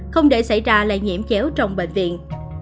không để xảy ra lây nhiễm chéo trong bệnh viện